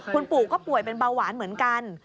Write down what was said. คุณปู่ก็ป่วยเป็นเบาหวานเหมือนกัน